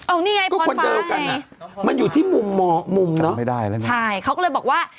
โอ้นี่ไงพรฟ้าให้มันอยู่ที่มุมเนอะใช่เขาก็เลยบอกว่า